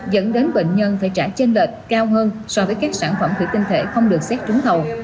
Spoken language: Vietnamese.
dẫn đến bệnh nhân phải trả trên lệch cao hơn so với các sản phẩm thủy tinh thể không được xét trúng thầu